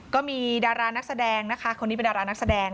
ก็มีดารานักแสดงนะคะคนนี้เป็นดารานักแสดง